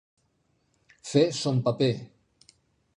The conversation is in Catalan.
Fer son paper.